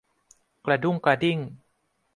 กระดุ้งกระดิ้ง